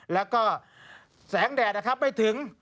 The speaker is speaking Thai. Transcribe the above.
และก็แสงแดดไม่ถึง